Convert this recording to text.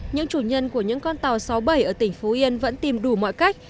những chủ nhân của những con tàu sáu bảy ở tỉnh phú yên vẫn tìm đủ mọi cách